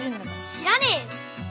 知らねえよ！